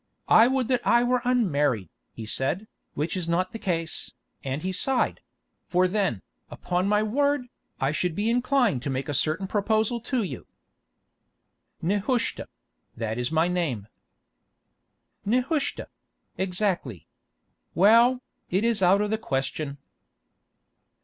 "I would that I were unmarried," he said, "which is not the case," and he sighed; "for then, upon my word, I should be inclined to make a certain proposal to you——" "Nehushta—that is my name——" "Nehushta—exactly. Well, it is out of the question."